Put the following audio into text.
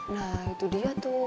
nah itu dia tuh